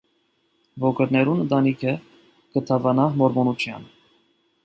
Ուոքրներուն ընտանիքը կը դաւանայ մորմոնութեան։